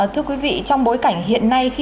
thưa quý vị trong bối cảnh hiện nay